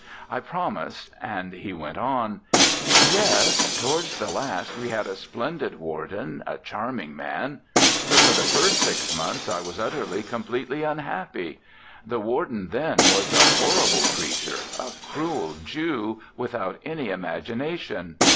I promised; and he went on: " Yes towards the last we had a splendid warden, a charming man! But for the first six months I was utterly, completely unhappy. The warden, then, was a horrible creature, a cruel Jew, without any imagination."